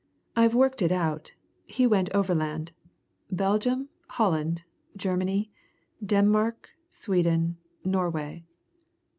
I've worked it out he went overland Belgium, Holland, Germany, Denmark, Sweden, Norway.